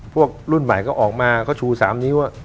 รุ่นใหม่ก็ออกมาเขาชู๓นิ้ว